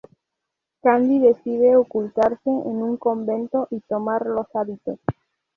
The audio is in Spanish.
Candy decide ocultarse en un convento y tomar los hábitos.